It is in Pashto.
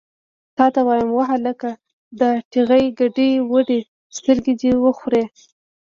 تا ته وایم، وهلکه! دا ټېغې ګډې وډې سترګې دې وخورې!